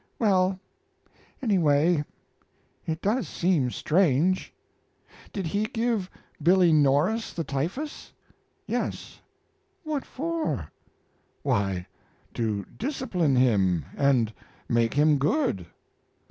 "Well, anyway, it does seem strange. Did He give Billy Norris the typhus?" "Yes." "What for?" "Why, to discipline him and make him good."